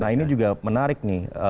nah ini juga menarik nih